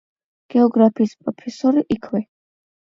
გეოგრაფიის პროფესორი იქვე.